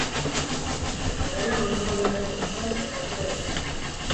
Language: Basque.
Horrela, multzoko bigarren postuan sailkatuko litzateke.